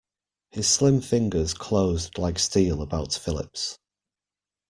His slim fingers closed like steel about Philip's.